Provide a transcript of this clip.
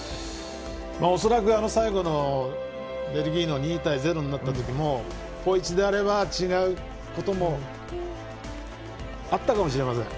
恐らく最後のベルギーの２対０になった時もポイチであれば違うこともあったかもしれません。